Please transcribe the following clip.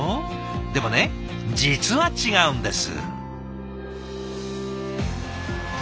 でもね実は違うんです。